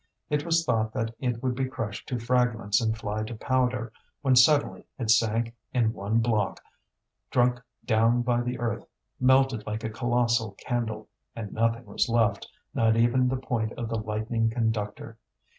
It was thought that it would be crushed to fragments and fly to powder, when suddenly it sank in one block, drunk down by the earth, melted like a colossal candle; and nothing was left, not even the point of the lightning conductor.